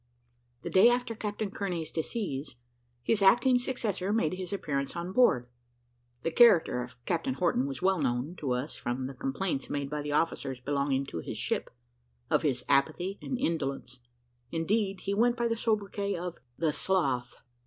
The day after Captain Kearney's decease, his acting successor made his appearance on board. The character of Captain Horton was well known to us from the complaints made by the officers belonging to his ship, of his apathy and indolence; indeed, he went by the sobriquet of "the Sloth."